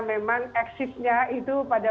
memang eksisnya itu pada